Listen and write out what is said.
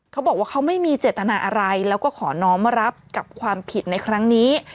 เขาบอกว่าเขาไม่มีเจตนาอะไรแล้วก็ขอน้องมารับกับความผิดในครั้งนี้